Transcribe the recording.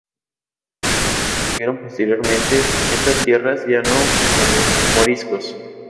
Algunos volvieron posteriormente estas tierras, ya no como moriscos.